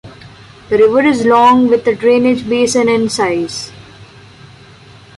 The river is long, with a drainage basin in size.